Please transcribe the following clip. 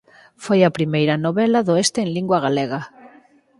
Foi a primeira novela do oeste en lingua galega.